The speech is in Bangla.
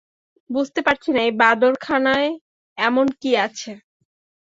বুঝতে পারছি না এই বাঁদরখানায় এমন কী আছে।